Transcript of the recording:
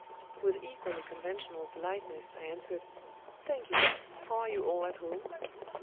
With equally conventional politeness I answered, "Thank you. How are you all at home?"